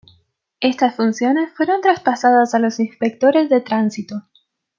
Estas funciones fueron traspasadas a los inspectores de tránsito.